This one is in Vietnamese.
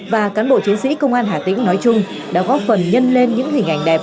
và cán bộ chiến sĩ công an hà tĩnh nói chung đã góp phần nhân lên những hình ảnh đẹp